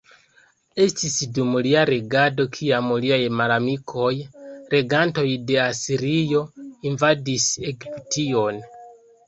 Estis dum lia regado kiam liaj malamikoj, regantoj de Asirio, invadis Egiption.